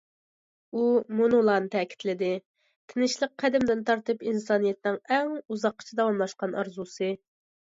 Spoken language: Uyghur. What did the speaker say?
ئۇ مۇنۇلارنى تەكىتلىدى: تىنچلىق قەدىمدىن تارتىپ ئىنسانىيەتنىڭ ئەڭ ئۇزاققىچە داۋاملاشقان ئارزۇسى.